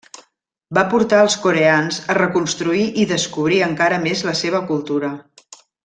Va portar els coreans a reconstruir i descobrir encara més la seva cultura.